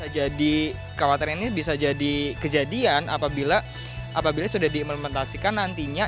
jadi kewateran ini bisa jadi kejadian apabila sudah diimplementasikan nantinya